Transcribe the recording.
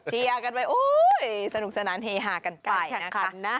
เชียร์กันไปโอ้ยสนุกสนานเฮฮากันไปนะคะ